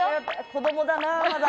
子どもだなまだ。